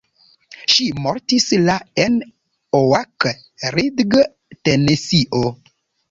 Ŝi mortis la en Oak Ridge, Tenesio.